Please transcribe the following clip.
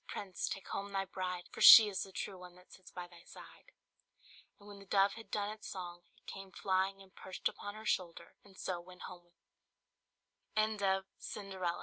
prince! take home thy bride. For she is the true one that sits by thy side!" And when the dove had done its song, it came flying and perched upon her shoulder, and so went ho